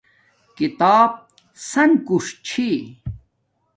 کتاب سن کوݽ چھی